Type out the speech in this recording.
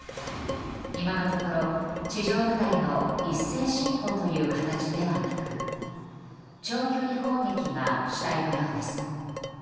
今のところ、地上部隊の一斉侵攻という形ではなく長距離砲撃が主体のようです。